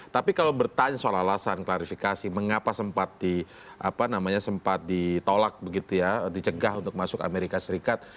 tapi kalau bertanya soal alasan mengapa sempat ditolak dicegah untuk masuk amerika serikat